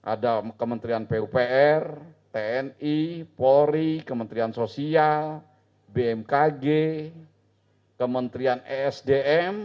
ada kementerian pupr tni polri kementerian sosial bmkg kementerian esdm